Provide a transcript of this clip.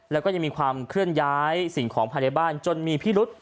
แล้วก็ยังมีความเคลื่อนย้ายสิ่งของภายในบ้านจนมีพิรุษ